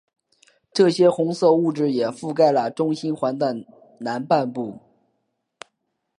这些红色物质也覆盖了中心环的南半部。